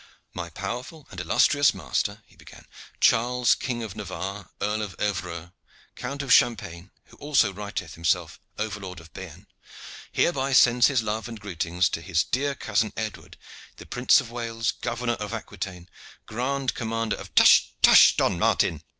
"My powerful and illustrious master," he began, "Charles, King of Navarre, Earl of Evreux, Count of Champagne, who also writeth himself Overlord of Bearn, hereby sends his love and greetings to his dear cousin Edward, the Prince of Wales, Governor of Aquitaine, Grand Commander of " "Tush! tush! Don Martin!"